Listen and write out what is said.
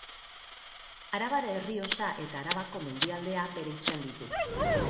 Arabar Errioxa eta Arabako Mendialdea bereizten ditu.